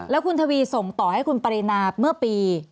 แล้วคุณทวีส่งต่อให้คุณปรินาเมื่อปี